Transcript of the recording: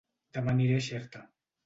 Dema aniré a Xerta